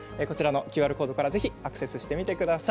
ＱＲコードからアクセスしてみてください。